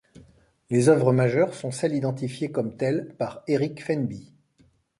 Les œuvres majeurs sont celles identifiées comme telles par Eric Fenby.